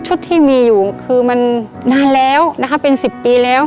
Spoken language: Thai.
ที่มีอยู่คือมันนานแล้วนะคะเป็น๑๐ปีแล้ว